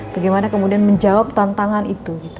bagaimana kemudian menjawab tantangan itu